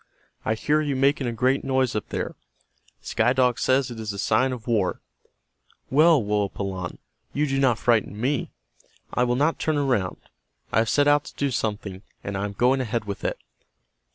"I hear you making a great noise up there. Sky Dog says it is a sign of war. Well, Woapalanne, you do not frighten me. I will not turn around. I have set out to do something, and I am going ahead with it.